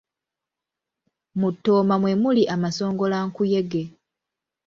Mu ttooma mwe muli amasongolankuyege.